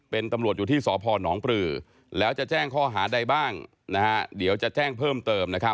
เป็นตำรวจอยู่ที่สพนปรือแล้วจะแจ้งข้อหาใดบ้างเดี๋ยวจะแจ้งเพิ่มเติม